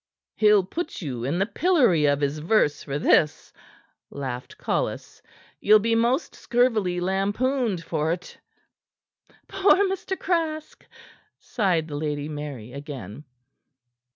"He'll put you in the pillory of his verse for this," laughed Collis. "Ye'll be most scurvily lampooned for't." "Poor Mr. Craske!" sighed the Lady Mary again.